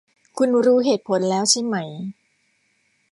คุณรู้เหตุผลแล้วใช่ไหม